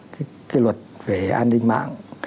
cái luật về an ninh mạng